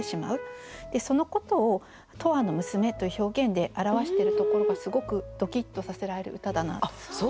そのことを「永久の娘」という表現で表してるところがすごくドキッとさせられる歌だなと思いました。